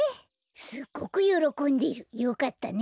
すっごくよろこんでる。よかったね。